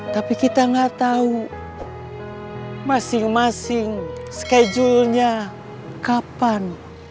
tapi kita gak tahu masing masing skedulnya kapan